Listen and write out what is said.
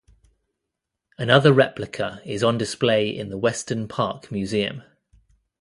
Another replica is on display in the Weston Park Museum.